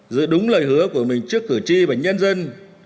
giữ đúng lời hứa của mình trước cử tri và nhân dân